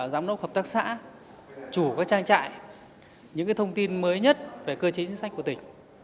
giám đốc hợp tác xã chủ các trang trại những thông tin mới nhất về cơ chế chính sách của tỉnh